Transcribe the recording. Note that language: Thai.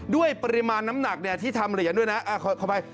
ด้วยปริมาณน้ำหนักที่ทำเหรียญด้วยนะขออภัย